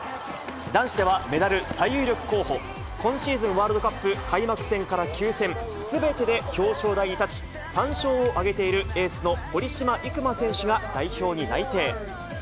男子ではメダル最有力候補、今シーズンワールドカップ開幕戦から９戦すべてで表彰台に立ち、３勝を挙げているエースの堀島行真選手が代表に内定。